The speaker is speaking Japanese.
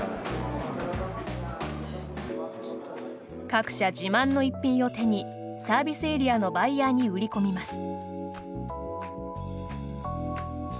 各社自慢の逸品を手にサービスエリアのバイヤーに売り込みます。